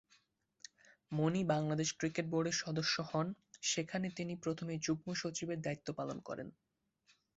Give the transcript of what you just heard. মনি Bangladesh cricket বোর্ডের সদস্য হন, সেখানে তিনি প্রথমে যুগ্ম-সচিবের দায়িত্ব পালন করেন।